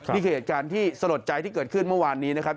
นี่คือเหตุการณ์ที่สลดใจที่เกิดขึ้นเมื่อวานนี้นะครับ